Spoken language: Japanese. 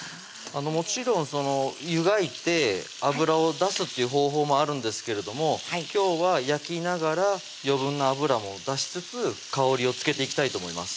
もちろん湯がいて脂を出すっていう方法もあるんですけれども今日は焼きながら余分な脂も出しつつ香りをつけていきたいと思います